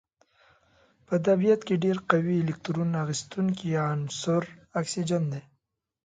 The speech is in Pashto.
په طبیعت کې ډیر قوي الکترون اخیستونکی عنصر اکسیجن دی.